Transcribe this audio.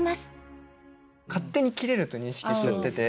勝手に切れると認識しちゃってて。